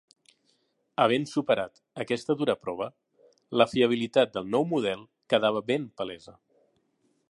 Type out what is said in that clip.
Havent superat aquesta dura prova, la fiabilitat del nou model quedava ben palesa.